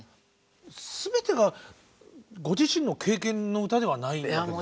すべてがご自身の経験の歌ではないんですか？